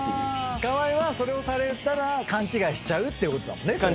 河合はそれをされたら勘違いしちゃうってことだもんね。